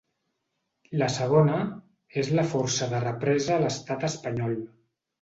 La segona, és la força de la represa a l’estat espanyol.